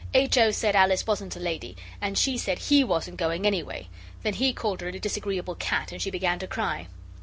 H. O. said Alice wasn't a lady; and she said he wasn't going, anyway. Then he called her a disagreeable cat, and she began to cry.